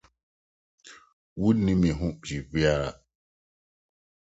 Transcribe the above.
Wunni me ho biribiara